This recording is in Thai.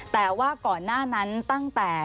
แต่ว่าก่อนหน้านั้นตั้งแต่